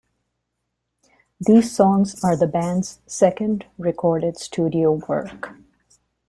These songs are the band's second recorded studio work.